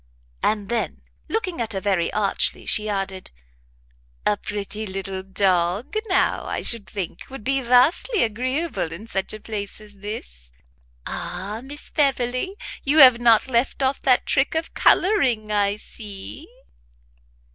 And then, looking at her very archly, she added, "A pretty little dog, now, I should think, would be vastly agreeable in such a place as this. Ah, Miss Beverley! you have not left off that trick of colouring, I see!"